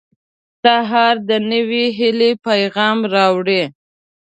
• سهار د نوې هیلې پیغام راوړي.